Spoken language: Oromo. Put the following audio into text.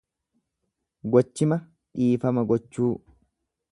Gochima dhiifama gochuu.